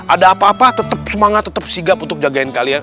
ada apa apa tetap semangat tetap sigap untuk jagain kalian